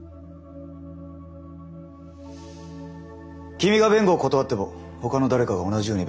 君が弁護を断ってもほかの誰かが同じように弁護をする。